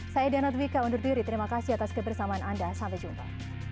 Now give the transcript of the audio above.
saya diana dwika undur diri terima kasih atas kebersamaan anda sampai jumpa